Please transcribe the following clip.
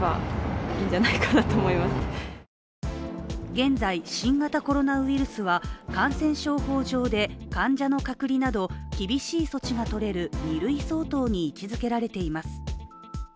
現在、新型コロナウイルスは感染症法上で患者の隔離など厳しい措置がとれる２類相当に位置づけられています。